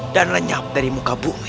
dan lenyap dari muka bumi